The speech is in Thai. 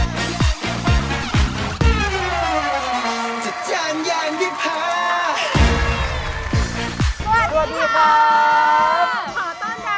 ขอต้อนรับนะคะทุกคนสู่รายการ